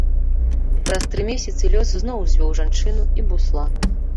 Праз тры месяцы лёс зноў звёў жанчыну і бусла.